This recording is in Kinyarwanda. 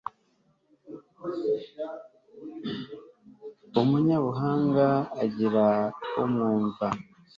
umunyabuhanga agira umwumva